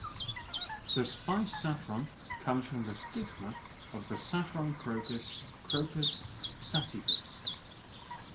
The spice saffron comes from the stigma of the saffron crocus, "Crocus sativus".